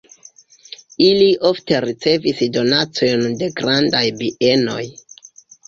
Ili ofte ricevis donacojn de grandaj bienoj.